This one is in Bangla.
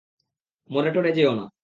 মরে-টরে যেও না।